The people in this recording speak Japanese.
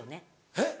えっ？